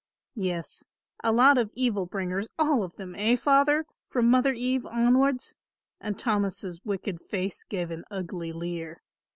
"Yes, a lot of evil bringers all of them, eh, Father, from Mother Eve onwards?" and Thomas' wicked face gave an ugly leer.